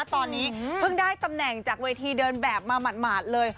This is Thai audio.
ตอนนี้เพิ่งได้ตำแหน่งจากเวทีเดินแบบมาหมาดเลย